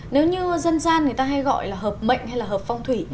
nếu như dân gian người ta hay gọi là hợp mệnh hay là hợp phong thủy